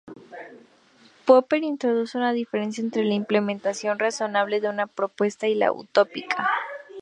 Popper introduce una diferencia entre la implementación "razonable" de una propuesta y la "utópica".